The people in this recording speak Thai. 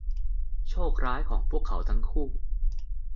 โชคร้ายของพวกเขาทั้งคู่